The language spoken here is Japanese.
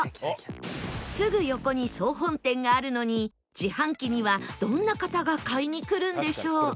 すぐ横に総本店があるのに自販機にはどんな方が買いに来るんでしょう？